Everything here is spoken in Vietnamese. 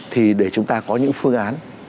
thì để chúng ta có những phương án